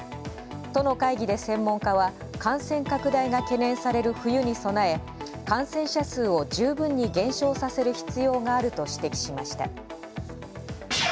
都の会議で専門家は「感染拡大が懸念される冬に備え感染者数を十分に減少させる必要がある」と指摘しました。